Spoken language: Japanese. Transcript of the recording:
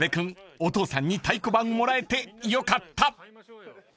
お父さんに太鼓判もらえてよかった］